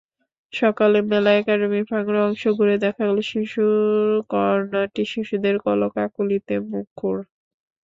সকালে মেলার একাডেমি প্রাঙ্গণের অংশ ঘুরে দেখা গেল, শিশু কর্নারটি শিশুদের কলকাকলিতে মুখর।